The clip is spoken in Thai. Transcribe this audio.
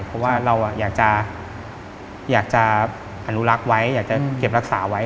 เพราะว่าเราอยากจะอนุรักษ์ไว้อยากจะเก็บรักษาไว้